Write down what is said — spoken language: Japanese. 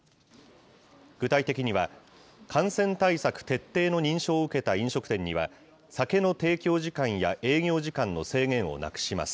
具体的には、感染対策徹底の認証を受けた飲食店には、酒の提供時間や営業時間の制限をなくします。